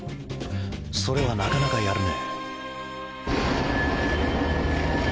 それはなかなかやるね。